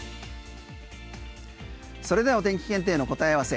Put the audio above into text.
それではお天気検定の答え合わせ